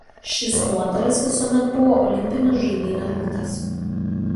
Šis nuotolis visuomet buvo olimpinių žaidynių rungtis.